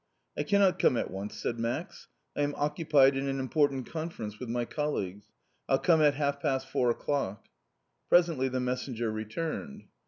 "I cannot come at once!" said Max, "I am occupied in an important conference with my colleagues. I'll come at half past four o'clock." Presently the messenger returned.